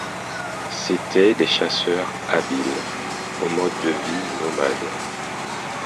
C'étaient des chasseurs habiles, au mode de vie nomade.